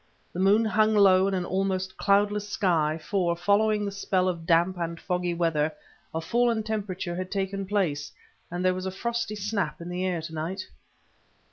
The moon hung low in an almost cloudless sky; for, following the spell of damp and foggy weather, a fall in temperature had taken place, and there was a frosty snap in the air to night.